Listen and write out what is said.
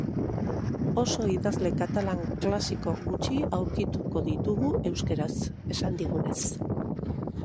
Oso idazle katalan klasiko gutxi aurkituko ditugu euskaraz, esan digunez.